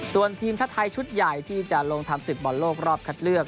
ส่วนทีมชาติไทยชุดใหญ่ที่จะลงทำศึกบอลโลกรอบคัดเลือก